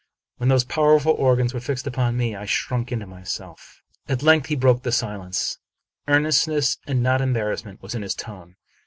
When these powerful organs were fixed upon me, I shrunk into myself. At length he broke silence. Earnestness, and not embarrassment, was in his tone.